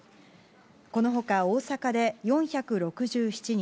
この他、大阪で４６７人